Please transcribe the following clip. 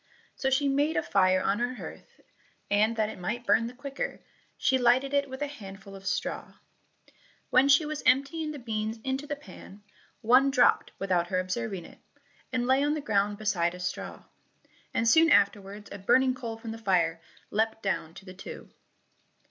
So she made a fire on her hearth, and that it might burn the quicker, she lighted it with a handful of straw. When she was emptying the beans into the pan, one dropped without her observing it, and lay on the ground beside a straw, and soon afterwards a burning coal from the fire leapt down to the two.